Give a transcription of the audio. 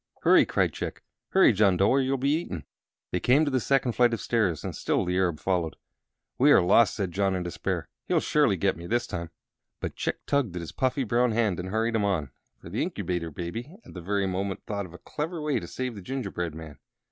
"Hurry!" cried Chick; "hurry, John Dough, or you'll be eaten." They came to the second flight of stairs, and still the Arab followed. "We are lost," said John, in despair. "He'll surely get me this time." But Chick tugged at his puffy brown hand and hurried him on, for the Incubator Baby at that very moment thought of a clever way to save the gingerbread man.